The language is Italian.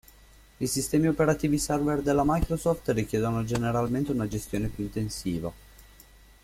I sistemi operativi server della Microsoft richiedono generalmente una gestione più intensiva.